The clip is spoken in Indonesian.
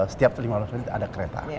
setiap lima ratus menit ada kereta